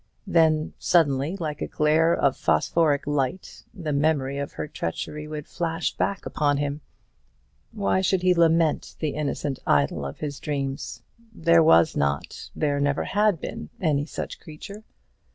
Then suddenly, like a glare of phosphoric light, the memory of her treachery would flash back upon him. Why should he lament the innocent idol of his dreams? There was not, there never had been, any such creature.